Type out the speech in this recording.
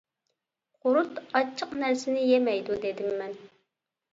قۇرۇت ئاچچىق نەرسىنى يېمەيدۇ دېدىم مەن.